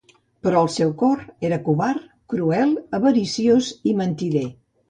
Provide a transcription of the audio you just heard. Però el seu cor era covard, cruel, avariciós i mentider.